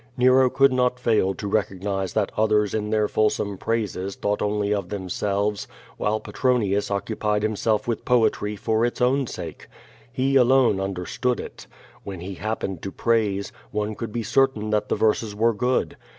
Nero coidd not fail to recognize that others in their fulsome praises thought only of themselves, while Petronius occupied himself with poetry for its own sake. He alone un derstood it. When he happened to praise, one could be cer tain that the verses were good.